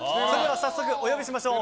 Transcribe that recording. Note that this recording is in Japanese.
早速、お呼びしましょう。